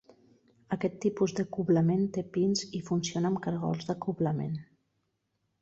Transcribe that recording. Aquest tipus d'acoblament té pins i funciona amb cargols d'acoblament.